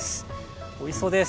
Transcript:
おいしそうです。